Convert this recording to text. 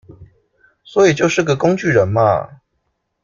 所以就是個工具人嘛